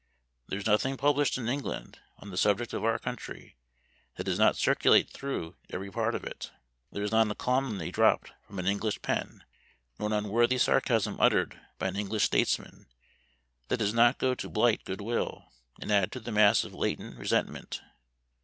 There is nothing published in England on the subject of our country, that does not circulate through every part of it. There is not a calumny dropt from an English pen, nor an unworthy sarcasm uttered by an English statesman, that does not go to blight good will, and add to the mass of latent resentment.